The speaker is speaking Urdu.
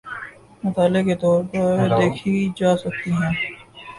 مطالعے کے طور پہ دیکھی جا سکتی ہیں۔